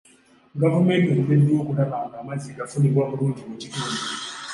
Gavumenti eremereddwa okulaba nga amazzi gafunibwa bulungi mu kitundu.